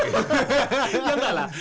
ya enggak lah